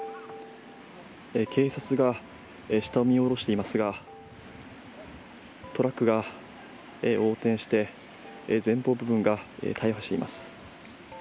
警察が下を見下ろしていますがトラックが横転して前方部分が大破しています。